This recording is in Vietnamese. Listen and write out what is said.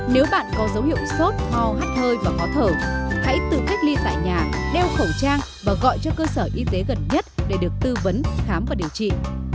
nếu bạn có dấu hiệu sốt ho hát hơi và khó thở hãy tự cách ly tại nhà đeo khẩu trang và gọi cho cơ sở y tế gần nhất để được tư vấn khám và điều trị